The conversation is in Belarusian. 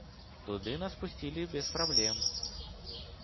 Туды нас пусцілі без праблем.